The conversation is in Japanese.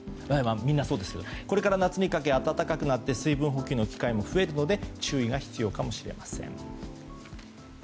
これから夏にかけ暖かくなって水分補給の機会も増えるので注意が必要かもしれません。